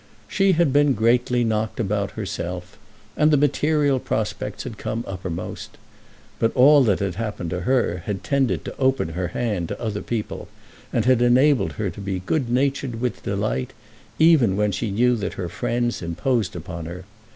She had been greatly knocked about herself, and the material prospects had come uppermost. But all that had happened to her had tended to open her hand to other people, and had enabled her to be good natured with delight, even when she knew that her friends imposed upon her.